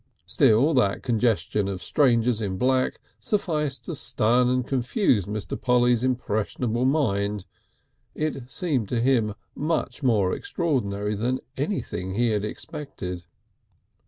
Still that congestion of strangers in black sufficed to stun and confuse Mr. Polly's impressionable mind. It seemed to him much more extraordinary than anything he had expected.